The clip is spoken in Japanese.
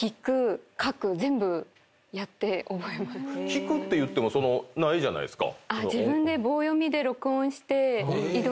聞くっていってもないじゃないですか。